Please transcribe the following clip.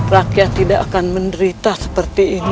rakyat tidak akan menderita seperti ini